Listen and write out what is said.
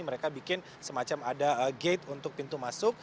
mereka bikin semacam ada gate untuk pintu masuk